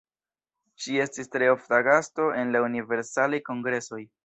Ŝi estis tre ofta gasto en la Universalaj Kongresoj.